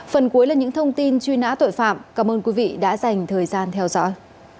phần cuối là những thông tin truy nã tội phạm cảm ơn quý vị đã dành thời gian theo dõi